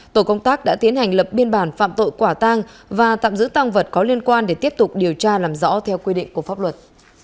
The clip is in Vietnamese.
tổ công tác đã tiến hành lập biên bản phạm tội quả tang và tạm giữ tăng vật có liên quan để tiếp tục điều tra làm rõ theo quy định của pháp luật